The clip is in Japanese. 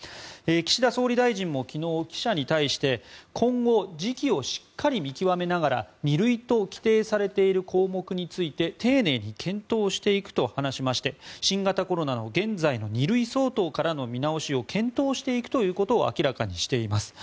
岸田総理大臣も昨日、記者に対して今後、時期をしっかり見極めながら２類と規定されている項目について丁寧に検討していくと話しまして新型コロナの現在の２類相当からの見直しを検討していくということを明らかにしています。